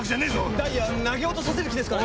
ダイヤ投げ落とさせる気ですかね？